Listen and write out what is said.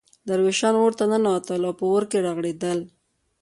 درویشان اورته ننوتل او په اور کې رغړېدل.